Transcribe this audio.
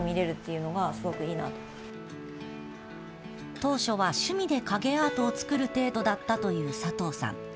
当初は趣味で影アートを作る程度だったという佐藤さん。